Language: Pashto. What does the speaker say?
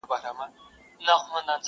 د جګو غرونو، شنو لمنو، غرڅنۍ سندري٫